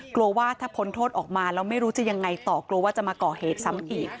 กลัวว่าถ้าพ้นโทษออกมาแล้วไม่รู้จะยังไงต่อกลัวว่าจะมาก่อเหตุซ้ำอีก